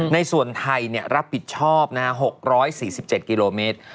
ในส่วนไทยรับผิดชอบ๖๔๗กิโลเมตร